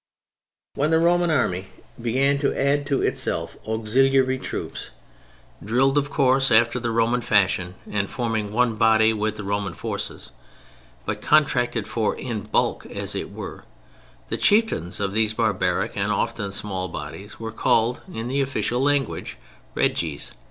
When the Roman Army began to add to itself auxiliary troops (drilled of course after the Roman fashion and forming one body with the Roman forces, but contracted for "in bulk," as it were) the chieftains of these barbaric and often small bodies were called in the official language, Reges.